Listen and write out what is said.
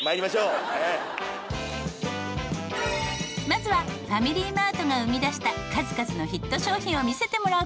まずはファミリーマートが生み出した数々のヒット商品を見せてもらう事に。